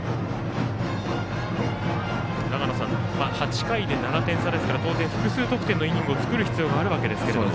８回で７点差ですから複数得点のイニングを作る必要があるんですけど。